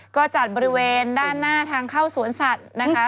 ก็จัดบริเวณด้านหน้าทางเข้าสวนสัตว์นะคะ